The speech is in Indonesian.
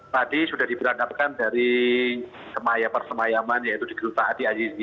tadi sudah diberangkatkan dari semaya persemayaman yaitu di gita adi azizia